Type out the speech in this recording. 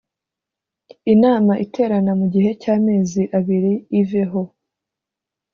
inama iterana mu gihe cyamezi abiri iveho